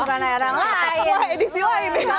bukan air lain